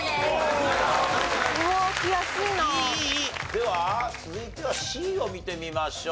では続いてはＣを見てみましょう。